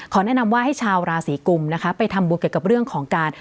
แนะนำว่าให้ชาวราศีกุมนะคะไปทำบุญเกี่ยวกับเรื่องของการ